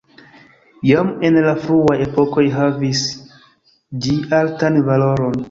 Jam en la fruaj epokoj havis ĝi altan valoron.